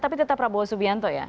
tapi tetap prabowo subianto ya